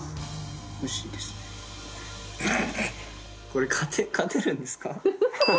これ勝てるんですか？